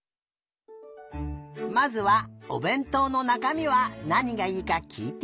まずはおべんとうのなかみはなにがいいかきいてみよう！